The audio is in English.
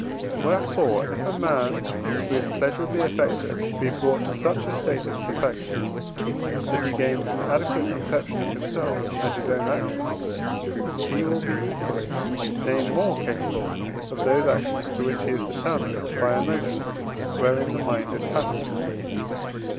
Wherefore, if a man who is pleasurably affected be brought to such a state of perfection, that he gains an adequate conception of himself and his own actions, he will be equally, nay more, capable of those actions, to which he is determined by emotion wherein the mind is passive.